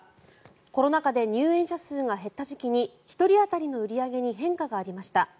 コロナ禍で入園者数が減った時期に１人当たりの売り上げに変化がありました。